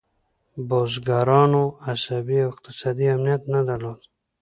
بزګرانو عصبي او اقتصادي امنیت نه درلود.